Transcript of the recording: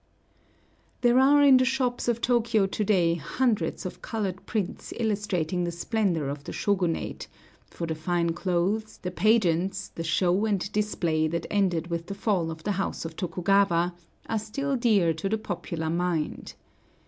There are in the shops of Tōkyō to day hundreds of colored prints illustrating the splendor of the Shōgunate; for the fine clothes, the pageants, the show and display that ended with the fall of the house of Tokugawa, are still dear to the popular mind.